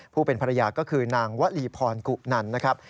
ผู้เป็นภรรยาก็คือนางวลีพรกุนันนะครับ